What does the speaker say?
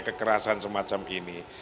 kekerasan semacam ini